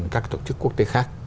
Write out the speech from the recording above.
các tổ chức quốc tế khác